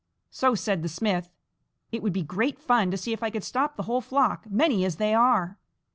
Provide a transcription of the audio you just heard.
So said the smith: "It would be great fun to see if I could stop the whole flock, many as they are!"